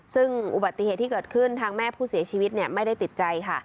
ซึ่งอุบัติเหตุที่เกิดขึ้นทางแม่ผู้เสียชีวิตไม่ได้ติดใจค่ะ